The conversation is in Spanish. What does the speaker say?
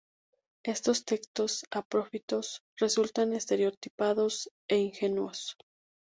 Estos textos apócrifos resultan estereotipados e ingenuos.